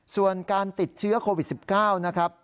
ส่วนการติดเชื้อโควิด๑๙นะครับ